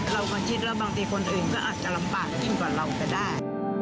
เราก็คิดว่าบางทีคนอื่นก็อาจจะลำบากยิ่งกว่าเราก็ได้